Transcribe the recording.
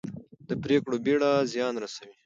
د پرېکړو بېړه زیان رسوي